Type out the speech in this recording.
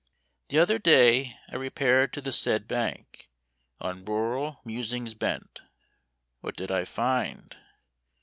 The other day I repaired to the said bank On rural musings bent. What did I find?